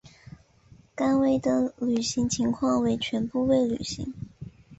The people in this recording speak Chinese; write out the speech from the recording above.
甘薇的履行情况为全部未履行。